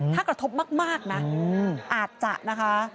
ถ้ากระทบมากนะอาจจะนะคะ